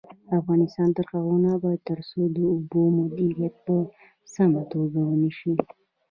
افغانستان تر هغو نه ابادیږي، ترڅو د اوبو مدیریت په سمه توګه ونشي.